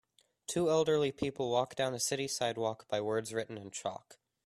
Two elderly people walk down a city sidewalk by words written in chalk.